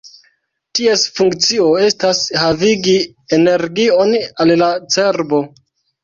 Ties funkcio estas havigi energion al la cerbo.